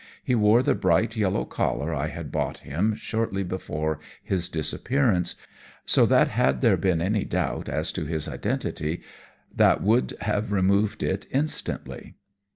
He wore the bright yellow collar I had bought him shortly before his disappearance, so that had there been any doubt as to his identity that would have removed it instantly.